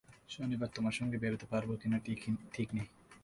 শনিবার তোমার সঙ্গে বেরুতে পারব কিনা ঠিক নেই।